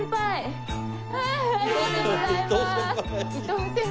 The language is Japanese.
ありがとうございます。